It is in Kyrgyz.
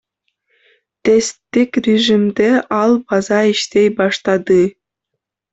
Тесттик режимде ал база иштей баштады.